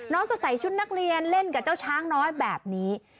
จะใส่ชุดนักเรียนเล่นกับเจ้าช้างน้อยแบบนี้